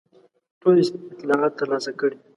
ټول اطلاعات ترلاسه کړي.